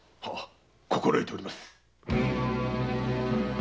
心得ております。